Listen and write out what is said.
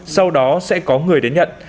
sau đó sẽ có người đến nhận